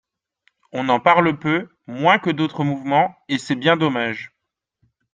On en parle peu, moins que d’autres mouvements, et c’est bien dommage.